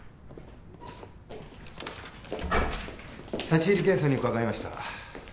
立入検査に伺いました。